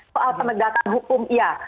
soal penegakan hukum iya